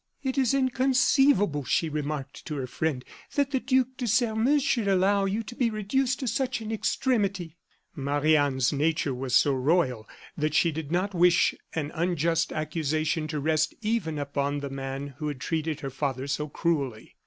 "It is inconceivable," she remarked to her friend, "that the Duc de Sairmeuse should allow you to be reduced to such an extremity." Marie Anne's nature was so royal, that she did not wish an unjust accusation to rest even upon the man who had treated her father so cruelly.